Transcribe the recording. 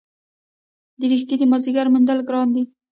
د رښتیني ملګري موندل ګران دي.